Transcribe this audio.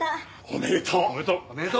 おめでとう！